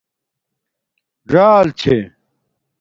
ژَآل چھے